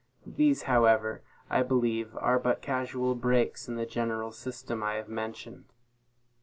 These, however, I believe, are but casual breaks in the general system I have mentioned.